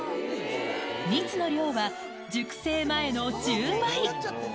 蜜の量は、熟成前の１０倍。